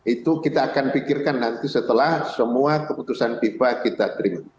itu kita akan pikirkan nanti setelah semua keputusan fifa kita terima